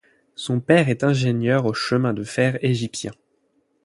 Son père est ingénieur aux chemins de fer égyptiens.